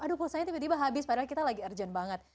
aduh pulsanya tiba tiba habis padahal kita lagi urgent banget